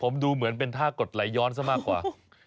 ผมดูเหมือนเป็นท่ากดไหลย้อนซะมากกว่า